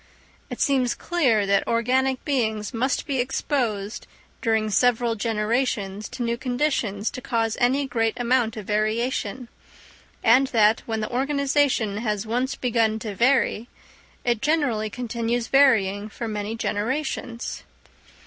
It seems clear that organic beings must be exposed during several generations to new conditions to cause any great amount of variation; and that, when the organisation has once begun to vary, it generally continues varying for many generations.